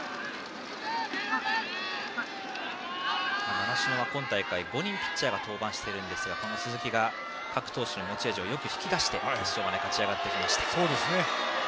習志野は今大会５人ピッチャーが登板していますが鈴木が各投手の持ち味をよく引き出して決勝まで勝ち上がってきました。